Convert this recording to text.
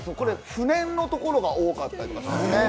不燃のところが多かったりもしますね。